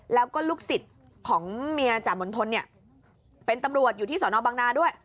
แล้วก็ลูกศิษย์ของเมียจ่ามณฑลเนี่ยเป็นตำรวจอยู่ที่สอนอบังนาด้วย